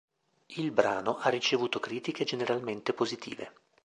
Il brano ha ricevuto critiche generalmente positive.